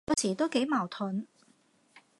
有時都幾矛盾，